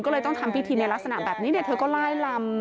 ก็เลยต้องทำพิธีในลักษณะแบบนี้เธอก็ไล่ลำ